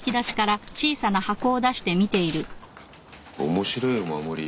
面白いお守り。